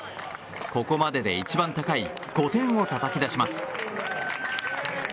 ここまでで一番高い５点をたたき出します。